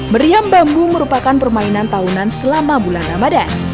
meriam bambu merupakan permainan tahunan selama bulan ramadan